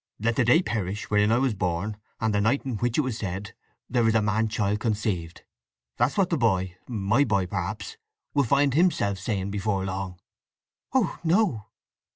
'Let the day perish wherein I was born, and the night in which it was said, There is a man child conceived!' That's what the boy—my boy, perhaps, will find himself saying before long!" "Oh no!"